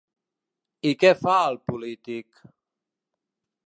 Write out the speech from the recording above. I què fa el polític?